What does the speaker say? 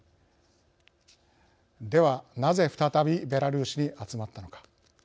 では、なぜ再びベラルーシに集まったのか。